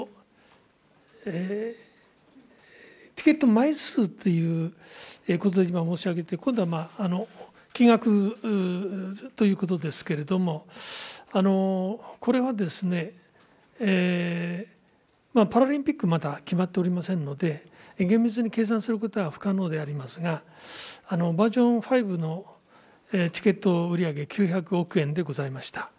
チケット枚数ということを今申し上げて、今度は金額ということですけれども、これは、パラリンピック、まだ決まっておりませんので、厳密に計算することは不可能でありますが、バージョン５のチケット売り上げ９００億円でございました。